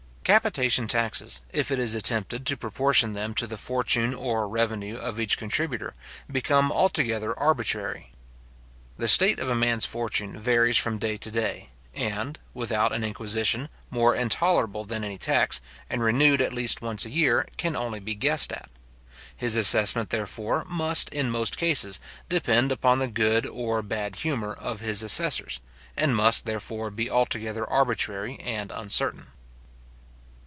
Capitation taxes, if it is attempted to proportion them to the fortune or revenue of each contributor, become altogether arbitrary. The state of a man's fortune varies from day to day; and, without an inquisition, more intolerable than any tax, and renewed at least once every year, can only be guessed at. His assessment, therefore, must, in most cases, depend upon the good or bad humour of his assessors, and must, therefore, be altogether arbitrary and uncertain.